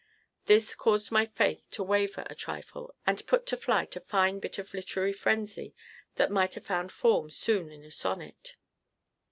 This caused my faith to waver a trifle and put to flight a fine bit of literary frenzy that might have found form soon in a sonnet.